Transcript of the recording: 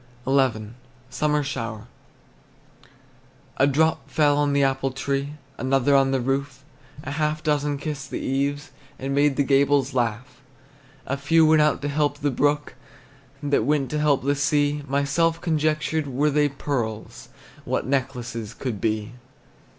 XI. SUMMER SHOWER. A drop fell on the apple tree, Another on the roof; A half a dozen kissed the eaves, And made the gables laugh. A few went out to help the brook, That went to help the sea. Myself conjectured, Were they pearls, What necklaces could be!